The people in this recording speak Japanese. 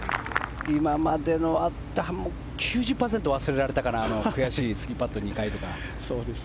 今までのあったことが９０％忘れられたかな悔しい３パット２回とか。